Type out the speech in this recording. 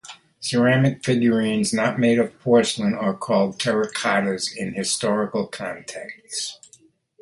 Ceramic figurines not made of porcelain are called terracottas in historical contexts.